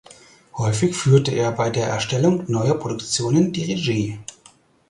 Häufig führt er bei der Erstellung neuer Produktionen die Regie.